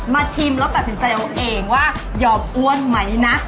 ชิมแล้วตัดสินใจเอาเองว่ายอมอ้วนไหมนะ